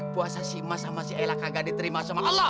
puasa si mas sama si ella kagak diterima sama allah